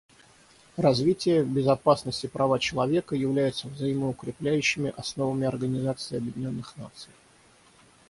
Развитие, безопасность и права человека являются взаимоукрепляющими основами Организации Объединенных Наций.